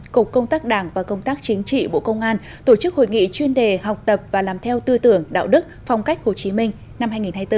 cục công tác đảng và công tác chính trị bộ công an tổ chức hội nghị chuyên đề học tập và làm theo tư tưởng đạo đức phong cách hồ chí minh năm hai nghìn hai mươi bốn